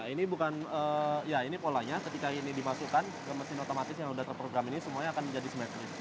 ini bukan ya ini polanya ketika ini dimasukkan ke mesin otomatis yang sudah terprogram ini semuanya akan menjadi simetris